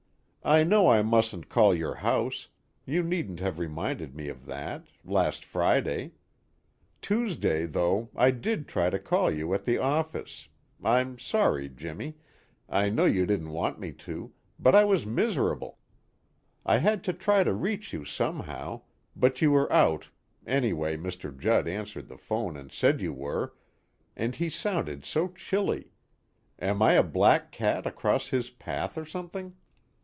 I know I mustn't call your house you needn't have reminded me of that, last Friday! Tuesday, though, I did try to call you at the office I'm sorry, Jimmy, I know you didn't want me to, but I was miserable, I had to try to reach you somehow but you were out, anyway Mr. Judd answered the phone and said you were, and he sounded so chilly am I a black cat across his path or something?